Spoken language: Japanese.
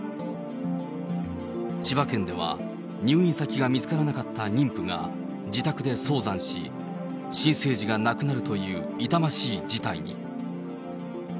千葉県では入院先が見つからなかった妊婦が自宅で早産し、新生児が亡くなるという痛ましい事態に。